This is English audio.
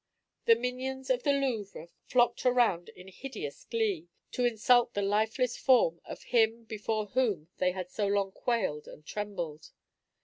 The minions of the Louvre flocked around in hideous glee, to insult the lifeless form of him, before whom they had so long quailed and trembled.